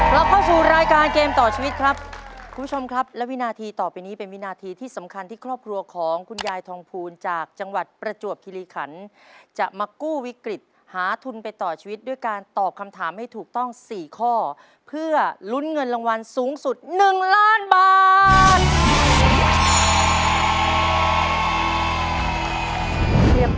เราเข้าสู่รายการเกมต่อชีวิตครับคุณผู้ชมครับและวินาทีต่อไปนี้เป็นวินาทีที่สำคัญที่ครอบครัวของคุณยายทองภูลจากจังหวัดประจวบคิริขันจะมากู้วิกฤตหาทุนไปต่อชีวิตด้วยการตอบคำถามให้ถูกต้อง๔ข้อเพื่อลุ้นเงินรางวัลสูงสุด๑ล้านบาท